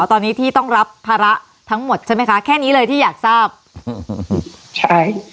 ตอนนี้ที่ต้องรับภาระทั้งหมดใช่ไหมคะแค่นี้เลยที่อยากทราบอืมใช่